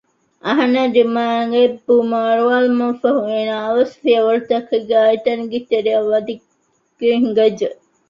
އަހަންނާ ދިމާއަށް އެއްބުމަ އަރުވާލުމަށްފަހު އޭނާ އަވަސް ފިޔަވަޅުތަކެއްގައި އެތަނުގެ ތެރެއަށް ވަދަގެން ހިނގައްޖެ